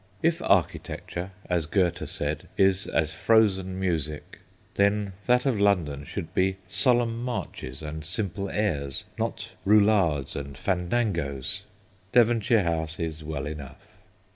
If architecture, as Goethe said, is as frozen music, then that of London should be solemn marches and simple airs, not roulades and fandangoes. Devonshire House is well enough.